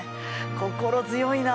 心強いな。